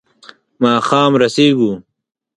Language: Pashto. ماښام رسېږو.